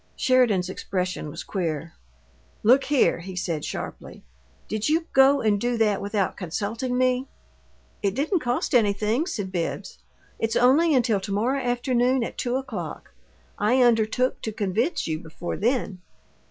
Sheridan's expression was queer. "Look here!" he said, sharply. "Did you go and do that without consulting me?" "It didn't cost anything," said Bibbs. "It's only until to morrow afternoon at two o'clock. I undertook to convince you before then."